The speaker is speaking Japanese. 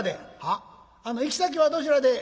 「あの行き先はどちらで？」。